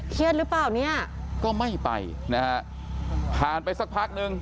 เครียดหรือเปล่าเนี่ยก็ไม่ไปนี่ฮะผ่านไปสักพักหนึ่ง